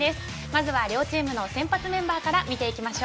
まずは両チームの先発メンバーから見ていきます。